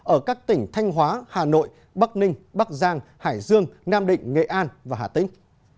ở các tỉnh thanh hóa hà nội bắc ninh bắc giang hải dương nam định nghệ an và hà tĩnh